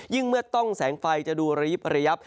เมื่อต้องแสงไฟจะดูระยิบระยับ